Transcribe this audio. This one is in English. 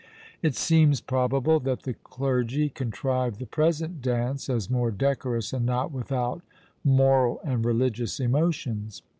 It seems probable that the clergy contrived the present dance, as more decorous and not without moral and religious emotions.